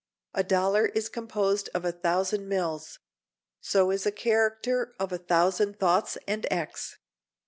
A dollar is composed of a thousand mills; so is a character of a thousand thoughts and acts.